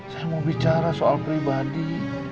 saya mau bicara soal pribadi